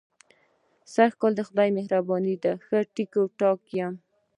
سږ کال د خدای مهرباني ده، ښه ټیک ټاک یم.